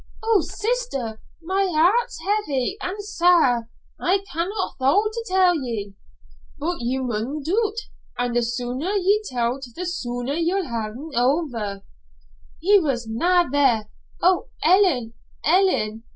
"Oh, sister, my hairt's heavy an' sair. I canna' thole to tell ye." "But ye maun do't, an' the sooner ye tell't the sooner ye'll ha'e it over." "He was na' there. Oh, Ellen, Ellen!